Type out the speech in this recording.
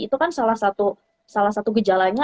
itu kan salah satu gejalanya